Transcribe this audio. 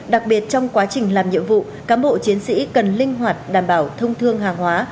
đặc biệt trong quá trình làm nhiệm vụ cán bộ chiến sĩ cần linh hoạt đảm bảo thông thương hàng hóa